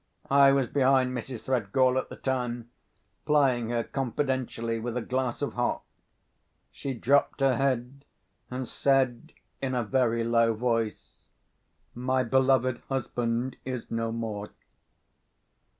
I was behind Mrs. Threadgall at the time, plying her confidentially with a glass of hock. She dropped her head, and said in a very low voice, "My beloved husband is no more."